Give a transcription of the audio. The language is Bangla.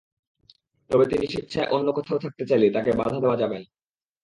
তবে তিনি স্বেচ্ছায় অন্য কোথাও থাকতে চাইলে তাঁকে বাধা দেওয়া যাবে না।